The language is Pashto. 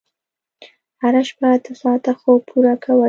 هره شپه اته ساعته خوب پوره کوئ.